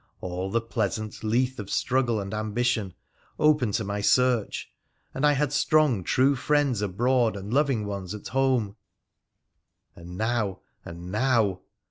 — all the pleasant lethe of struggle and ambition open to my search, and I had strong true friends abroad, and loving ones at home — and now ! and now